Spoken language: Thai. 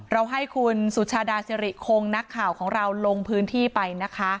เราให้คุณสุชาดาสิริคงนักข่าวของเราลงพื้นที่ไปนะคะ